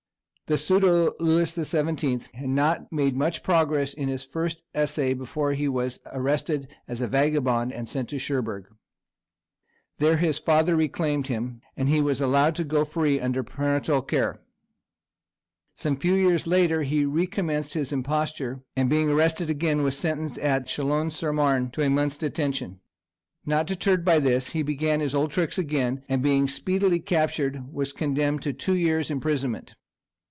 The pseudo Louis the Seventeenth had not made much progress in his first essay before he was arrested as a vagabond, and sent to Cherbourg. There his father reclaimed him, and he was allowed to go free under parental care. Some few years later he recommenced his imposture, and being again arrested was sentenced at Chalons sur Marne to a month's detention. Not deterred by this, he began his old tricks again, and being speedily captured was condemned to two years' imprisonment.